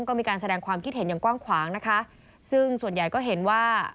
ก็มีการแสดงความคิดเห็นอย่างกว้างขวางนะคะซึ่งส่วนใหญ่ก็เห็นว่า